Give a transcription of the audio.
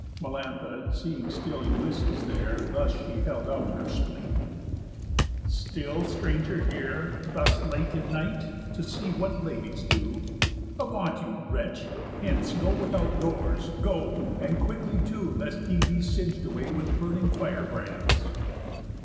Melantha seeing still Ulysses there, Thus she held out her spleen: "Still, stranger, here? Thus late in night? To see what ladies do? Avaunt you, wretch, hence, go without doors, go; And quickly, too, lest ye be singed away With burning firebrands."